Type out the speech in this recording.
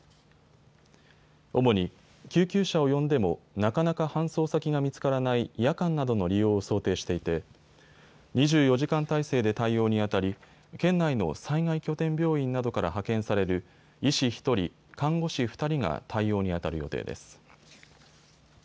主に救急車を呼んでもなかなか搬送先が見つからない夜間などの利用を想定していて２４時間体制で対応にあたり県内の災害拠点病院などから派遣される医師１人、看護師２人が対応にあたる予定です。